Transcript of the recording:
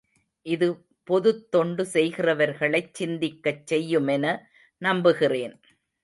இது பொதுத் தொண்டு செய்கிறவர்களைச் சிந்திக்கச் செய்யுமென நம்புகிறேன்.